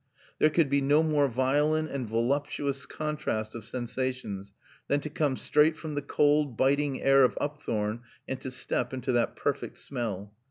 There could be no more violent and voluptuous contrast of sensations than to come straight from the cold, biting air of Upthorne and to step into that perfect smell.